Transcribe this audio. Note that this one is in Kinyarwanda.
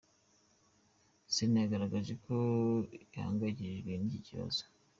Sena yagaragaje ko ihangayikishijwe n’iki kibazo.